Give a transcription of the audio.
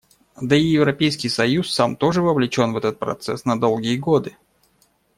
Да и Европейский союз сам тоже вовлечен в этот процесс на долгие годы.